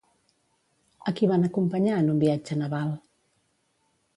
A qui van acompanyar en un viatge naval?